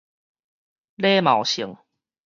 禮貌性